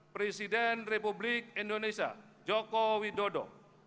presiden republik indonesia joko widodo